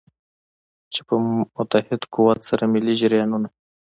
چې په متحد قوت سره ملي جریانونه.